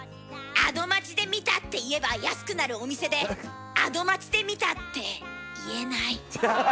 「『アド街』で見た」って言えば安くなるお店で「『アド街』で見た」って言えない。